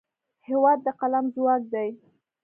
هېواد د قلم ځواک دی.